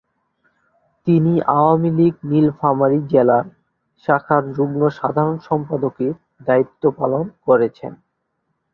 তিনি আওয়ামী লীগ নীলফামারী জেলার শাখার যুগ্ম সাধারণ সম্পাদকের দায়িত্ব পালন করেছেন।